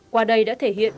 qua đây đã thể hiện